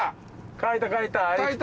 書いた書いた。